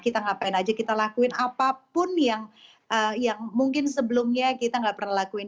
kita ngapain aja kita lakuin apapun yang mungkin sebelumnya kita nggak pernah lakuin